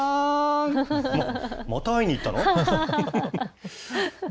また会いに行ったの？